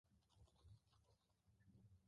The Falcon was Atari's final computer product.